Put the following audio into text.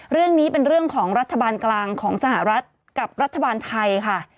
เรื่องนี้เป็นเรื่องของรัฐบาลกลางของสหรัฐกับรัฐบาลไทยค่ะ